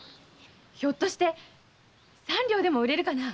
ひょっとして三両でも売れるかな？